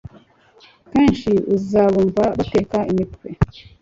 Kenshi uzabumva bateka imitwe